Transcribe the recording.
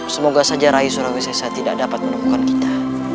semoga saja rai surawisessa tidak dapat menemukan kita